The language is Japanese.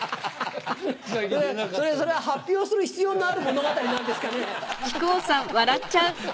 それは発表する必要のある物語なんですかね？